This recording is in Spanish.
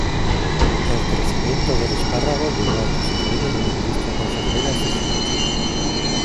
El crecimiento del espárrago llevó al desarrollo de una industria conservera eficiente.